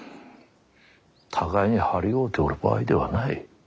互いに張り合うておる場合ではない。